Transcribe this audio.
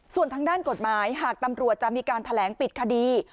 ส่วนทางด้านกฎหมายหากตำรวจจะมีการแถลงปิดคดี